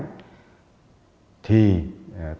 thì tất cả tài liệu chứng cứ